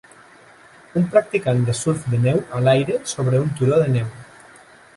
Un practicant de surf de neu a l'aire sobre un turó de neu.